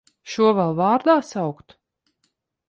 Šo vēl vārdā saukt!